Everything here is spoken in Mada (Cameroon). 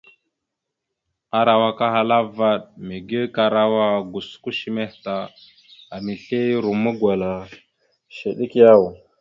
Arawak ahala vvaɗ : mege karawa gosko shəmeh ta, amesle ya romma gwala shew ɗek yaw ?